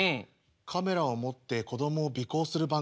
カメラを持って子供を尾行する番組。